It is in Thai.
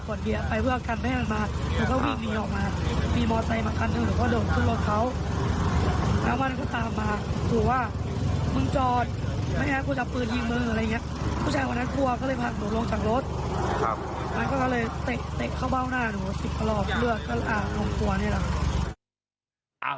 ก็เลยเตะเข้าเบ้าหน้าหนูสิบกระหลอบเลือดก็ลองกลัวนี่แหละ